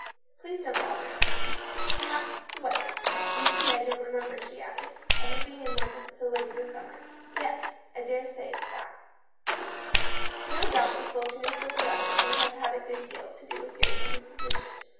Please don't bother about me; perhaps it's the weather. You see I don't remember," she added, " ever being in London so late in the summer. Yes, I daresay it's that." THE MAN RETURNS. 165 " No doubt the sultriness of the weather may have a good deal to do with your indis position.